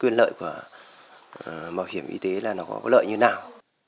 quyền lợi của bảo hiểm y tế là nó có lợi như nào